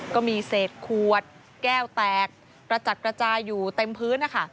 ก็มีเศษขวดแก้วแตกกระจัดกระจายอยู่เต็มพื้นนะคะ